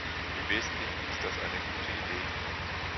Im Wesentlichen ist das eine gute Idee.